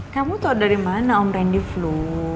kamu tau dari mana om randy flu